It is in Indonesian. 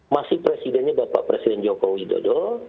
masih presidennya bapak presiden joko widodo